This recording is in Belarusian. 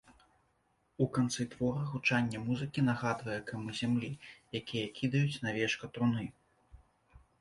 У канцы твора гучанне музыкі нагадвае камы зямлі, якія кідаюць на вечка труны.